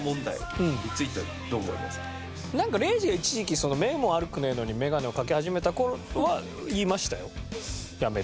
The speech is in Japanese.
なんかレイジが一時期目も悪くねえのにメガネをかけ始めた頃は言いましたよ。